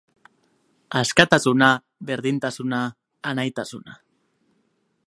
Askatasuna, berdintasuna, anaitasuna.